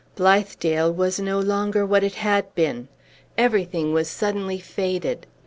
Blithedale was no longer what it had been. Everything was suddenly faded.